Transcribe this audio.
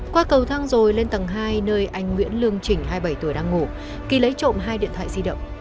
qua cầu thăng rồi lên tầng hai nơi anh nguyễn lương trình hai mươi bảy tuổi đang ngủ kỳ lấy trộm hai điện thoại di động